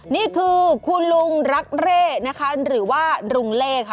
นี่คือคุณลุงรักเร่นะคะหรือว่าลุงเล่ค่ะ